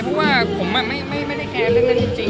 เพราะว่าผมอะไม่ได้แคร์อะไรแน่นจริงอะไรอย่างนี้